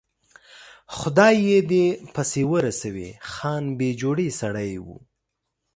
خدای یې دې پسې ورسوي، خان بې جوړې سړی و.